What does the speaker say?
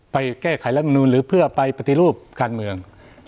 ไปแก้ไขรัฐมนูลหรือเพื่อไปปฏิรูปการเมือง